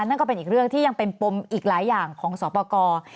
นั่นก็เป็นอีกเรื่องที่ยังเป็นปมอีกหลายอย่างของสอบประกอบ